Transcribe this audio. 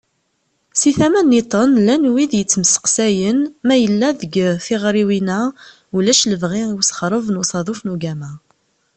Si tama-nniḍen, llan wid yettmesteqsayen ma yella deg tiɣriwin-a ulac lebɣi i usexreb n usaḍuf n ugama.